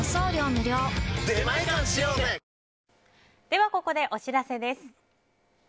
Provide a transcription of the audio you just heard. では、ここでお知らせです。